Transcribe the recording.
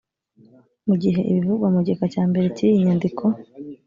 mu gihe ibivugwa mu gika cya mbere cy iyi nyandiko